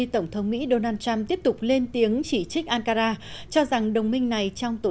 tổng thống mỹ donald trump tiếp tục lên tiếng chỉ trích ankara cho rằng đồng minh này trong tổ